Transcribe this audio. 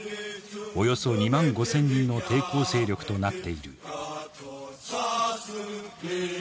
およそ２万５，０００人の抵抗勢力となっている。